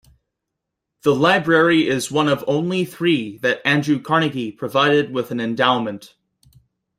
The library is one of only three that Andrew Carnegie provided with an endowment.